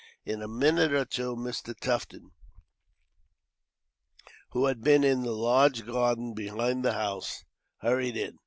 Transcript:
In a minute or two Mr. Tufton, who had been in the large garden behind the house, hurried in.